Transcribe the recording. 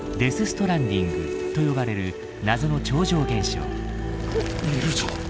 ストランディングと呼ばれる謎の超常現象。